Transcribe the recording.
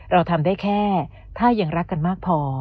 เราทำได้แค่ถ้ายังรักกันมากพอ